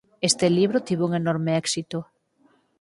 Este libro tivo un enorme éxito.